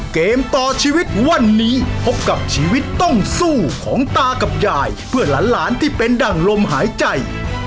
เกมต่อชีวิตวันนี้พบกับชีวิตต้องสู้ของตากับยายเพื่อหลานที่เป็นดั่งลมหายใจ